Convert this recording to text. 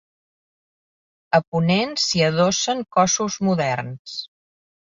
A ponent s'hi adossen cossos moderns.